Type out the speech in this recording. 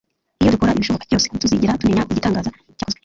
Iyo dukora ibishoboka byose, ntituzigera tumenya igitangaza cyakozwe